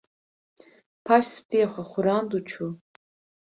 Paş stûyê xwe xurand û çû